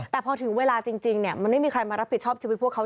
แต่พอถึงเวลาจริงมันไม่มีใครมารับผิดชอบชีวิตพวกเขา